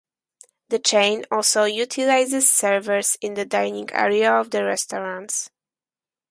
The chain also utilizes servers in the dining area of the restaurants.